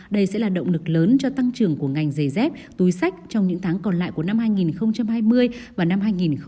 đây sẽ là động lực lớn cho tăng trưởng của ngành giày dép túi sách trong những tháng còn lại của năm hai nghìn hai mươi và năm hai nghìn hai mươi một